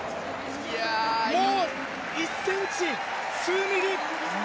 もう１ｃｍ、数ミリ。